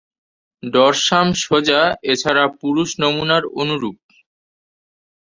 Dorsum সোজা; এছাড়া পুরুষ নমুনার অনুরূপ।